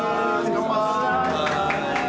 乾杯！